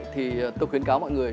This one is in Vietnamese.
thì tôi khuyến cáo mọi người